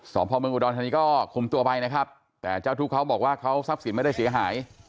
พ่อเมืองอุดรธานีก็คุมตัวไปนะครับแต่เจ้าทุกข์เขาบอกว่าเขาทรัพย์สินไม่ได้เสียหาย